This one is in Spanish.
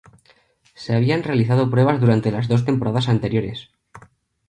Se habían realizado pruebas durante las dos temporadas anteriores.